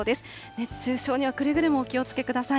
熱中症にはくれぐれもお気をつけください。